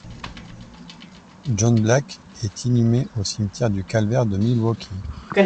John Black est inhumé au Cimetière du Calvaire de Milwaukee.